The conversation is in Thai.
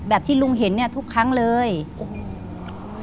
ที่ลุงเห็นเนี้ยทุกครั้งเลยโอ้โห